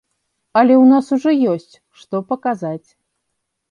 Але ў нас ужо ёсць, што паказаць.